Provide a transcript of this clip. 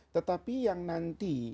tetapi yang nanti